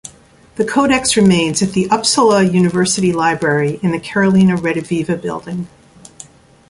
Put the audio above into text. The codex remains at the Uppsala University Library in the Carolina Rediviva building.